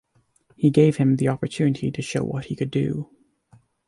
He gave him the opportunity to show what he could do.